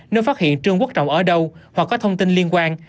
nếu phát hiện trương quốc trọng ở đâu hoặc có thông tin liên quan